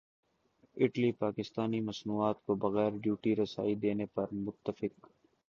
Italy Pakistani مصنوعات کو بغیر ڈیوٹی رسائی دینے پر متفق